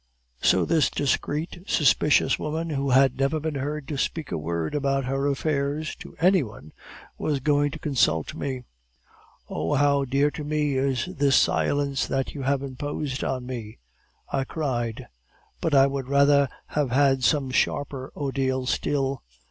"So this discreet, suspicious woman, who had never been heard to speak a word about her affairs to any one, was going to consult me. "'Oh, how dear to me is this silence that you have imposed on me!' I cried; 'but I would rather have had some sharper ordeal still.